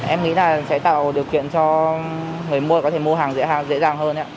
em nghĩ là sẽ tạo điều kiện cho người mua có thể mua hàng dễ dàng hơn